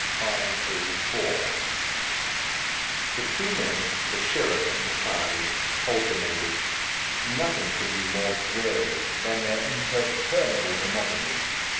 504." The two men, the sheriff and the serjeant, alternated. Nothing could be more dreary than their imperturbable monotony.